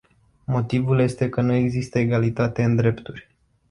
Motivul este că nu există egalitate în drepturi.